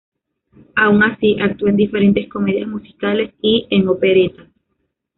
Aun así, actuó en diferentes comedias musicales y en operetas.